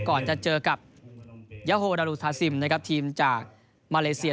ก่อนจะเจอกับยาโฮดารุทาซิมนะครับทีมจากมาเลเซีย